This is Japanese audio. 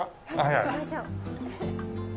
いきましょう。